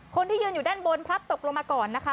คนที่ยืนอยู่ด้านบนพลัดตกลงมาก่อนนะคะ